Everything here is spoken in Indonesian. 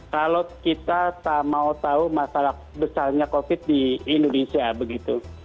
kalau kita mau tahu masalah besarnya covid di indonesia begitu